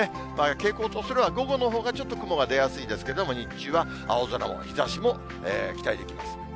傾向とすれば、午後のほうがちょっと雲が出やすいですけれども、日中は青空も、日ざしも期待できます。